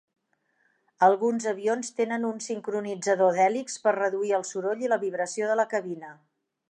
Alguns avions tenen un sincronitzador d'hèlix per reduir el soroll i la vibració de la cabina.